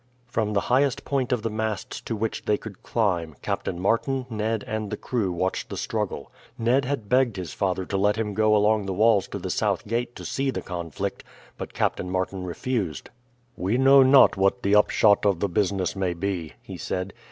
From the highest point of the masts to which they could climb, Captain Martin, Ned, and the crew watched the struggle. Ned had begged his father to let him go along the walls to the south gate to see the conflict, but Captain Martin refused. "We know not what the upshot of the business may be," he said.